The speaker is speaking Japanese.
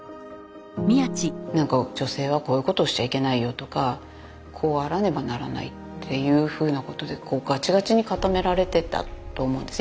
なんか女性はこういうことしちゃいけないよとかこうあらねばならないっていうふうなことでがちがちに固められてたと思うんです